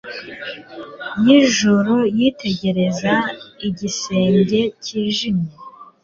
y'ijoro yitegereza igisenge cyijimye